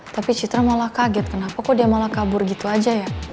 tapi citra malah kaget kenapa kok dia malah kabur gitu aja ya